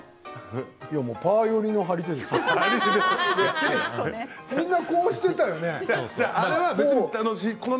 パー寄りの張り手でしょう？